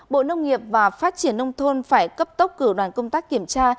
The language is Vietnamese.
bộ nông nghiệp và phát triển nông thôn phải cấp tốc cử đoàn công tác kiểm tra